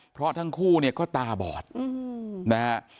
เพราะทั้งคู่เนี่ยก็ตาบอดนะฮะ